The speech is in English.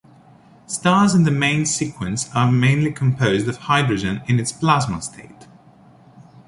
Stars in the main sequence are mainly composed of hydrogen in its plasma state.